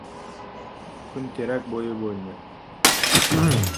Kun terak bo‘yi bo‘ldi.